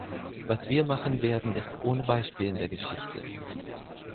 Was wir machen werden, ist ohne Beispiel in der Geschichte.